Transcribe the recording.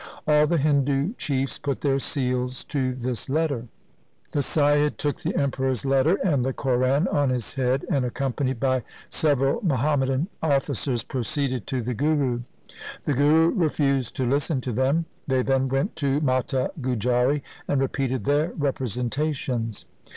All the Hindu chiefs put their seals to this letter. The Saiyid took the Emperor's letter and the Quran on his head and, accompanied by several Muhammadan officers, proceeded to the Guru. The Guru refused to listen to them. They then went to Mata Gujari and repeated their representations.